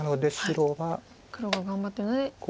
黒が頑張ったので。